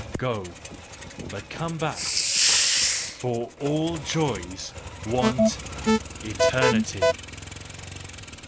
Go! but come back! FOR JOYS ALL WANT ETERNITY!